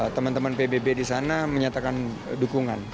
teman teman pbb di sana menyatakan dukungan